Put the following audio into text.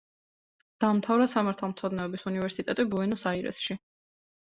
დაამთავრა სამართალმცოდნეობის უნივერსიტეტი ბუენოს-აირესში.